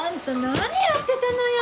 何やってたのよ